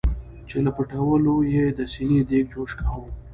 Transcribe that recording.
چې له پټولو یې د سینې دیګ جوش کاوه.